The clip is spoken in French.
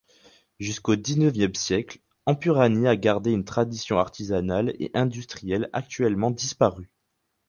Jusqu'au dix-neuvième siècle, Empurany a gardé une tradition artisanale et industrielle actuellement disparue.